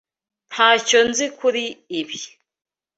Ntacyo nzi kuri ibi.